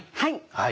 はい！